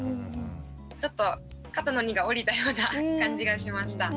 ちょっと肩の荷が下りたような感じがしました。